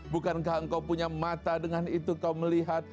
bukankah engkau punya mata dengan itu kau melihat